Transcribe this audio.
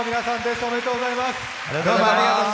おめでとうございます。